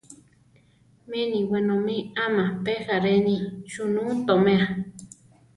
Mini wenómi ama pe járeni sunú toméa.